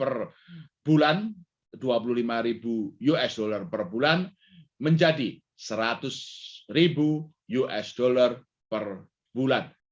per bulan dua puluh lima ribu usd per bulan menjadi seratus ribu usd per bulan